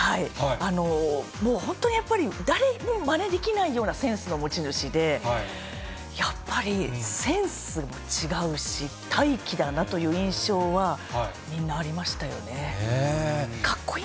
もう本当にやっぱり誰にもまねできないようなセンスの持ち主で、やっぱりセンスも違うし、大器だなという印象はみんなありましたよね。